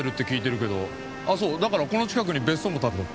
あっそうだからこの近くに別荘も建てたって。